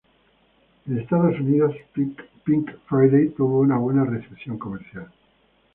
En Estados Unidos, "Pink Friday" tuvo una buena recepción comercial.